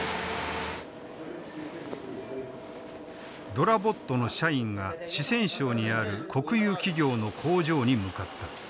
ｄｏｒａｂｏｔの社員が四川省にある国有企業の工場に向かった。